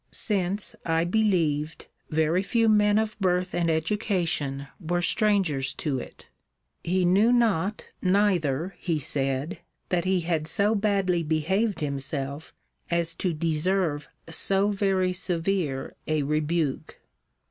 Since, I believed, very few men of birth and education were strangers to it. He knew not, neither, he said, that he had so badly behaved himself, as to deserve so very severe a rebuke.